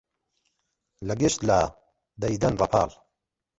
لە گشت لا دەیدەن ڕەپاڵ